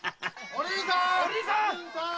お凛さん！